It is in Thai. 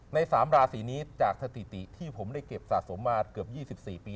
๓ราศีนี้จากสถิติที่ผมได้เก็บสะสมมาเกือบ๒๔ปี